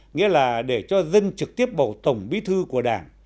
nghĩa là để cho dân trực tiếp bầu tổng bí thư của đảng